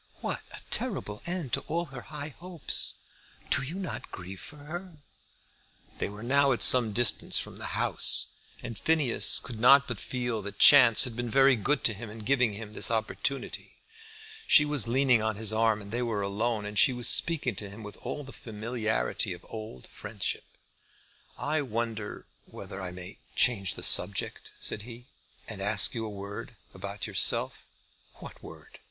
What a terrible end to all her high hopes! Do you not grieve for her?" They were now at some distance from the house, and Phineas could not but feel that chance had been very good to him in giving him his opportunity. She was leaning on his arm, and they were alone, and she was speaking to him with all the familiarity of old friendship. "I wonder whether I may change the subject," said he, "and ask you a word about yourself?" "What word?"